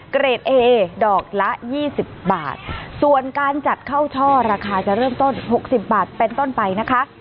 เกรดเอดอกละยี่สิบบาทส่วนการจัดเข้าช่อราคาจะเริ่มต้นหกสิบบาทเป็นต้นไปนะคะ